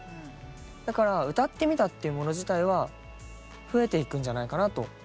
だから「歌ってみた」っていうもの自体は増えていくんじゃないかなと。